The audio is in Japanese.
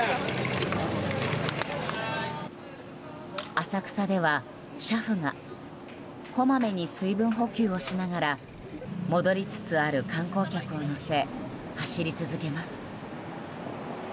浅草では車夫がこまめに水分補給をしながら戻りつつある観光客を乗せ走り続けます。